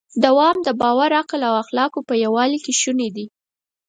دوام د باور، عقل او اخلاقو په یووالي کې شونی دی.